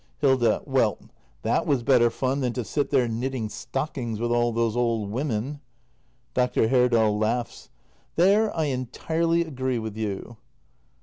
Hilda. Well, that was better fun than to sit there knitting stockings with all those old women. Dr. Herdal. There I entirely agree with you!